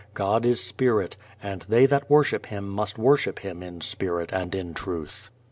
God is Spirit, and they that worship him must worship him in spirit and in truth."